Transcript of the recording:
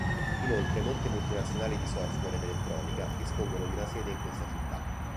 Inoltre molte multinazionali di software ed elettronica dispongono di una sede in questa città.